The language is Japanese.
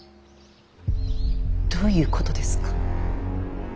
どういうことですか。